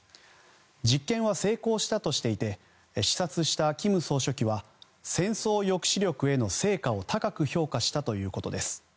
実験は成功したとしていて視察した金総書記は戦争抑止力への成果を高く評価したということです。